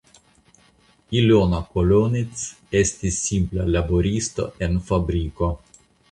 Ilona Kolonits estis simpla laboristo en fabriko.